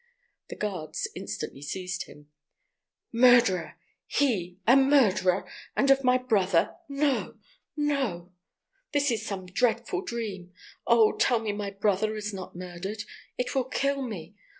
The guards instantly seized him. "Murderer! He a murderer—and of my brother! No! no! This is some dreadful dream. Oh, tell me my brother is not murdered; it will kill me.